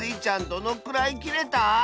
どのくらいきれた？